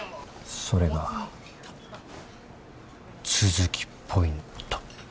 それが都築ポイント。